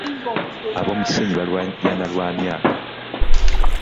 Ab'omu kisenyi balaajana lwa myala.